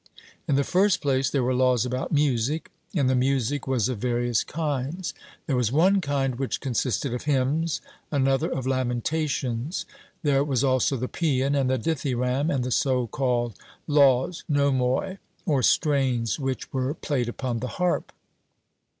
In the first place, there were laws about music, and the music was of various kinds: there was one kind which consisted of hymns, another of lamentations; there was also the paean and the dithyramb, and the so called 'laws' (nomoi) or strains, which were played upon the harp.